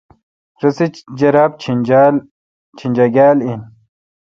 رسے جراب چینجاگال این۔